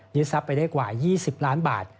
ทรัพย์ไปได้กว่า๒๐ล้านบาท